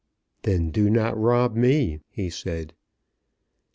"Then do not rob me," he said.